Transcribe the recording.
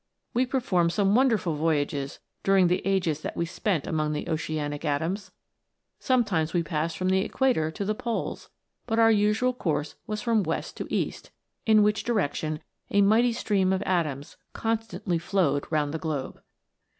We performed some wonderful voyages during the ages that we spent among the oceanic atoms. Sometimes we passed from the Equator to the Poles ; but our usual course was from west to east, in which direction a mighty stream of atoms constantly flowed round the globe.